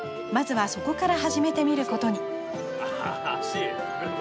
まずはそこから始めてみることに。